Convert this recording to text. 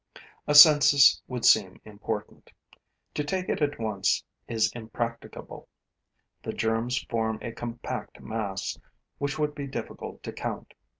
A census would seem important. To take it at once is impracticable: the germs form a compact mass, which would be difficult to count.